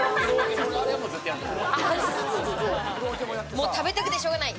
もう食べたくてしょうがない。